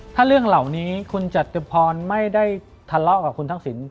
ถ้าเรื่องเหล่านี้คุณจตุพรไม่ได้ทะเลาะกับคุณทักษิณ